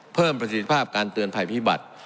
ประสิทธิภาพการเตือนภัยพิบัติ